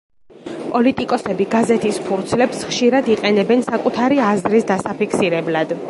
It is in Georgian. პოლიტიკოსები გაზეთის ფურცლებს ხშირად იყენებენ საკუთარი აზრის დასაფიქსირებლად.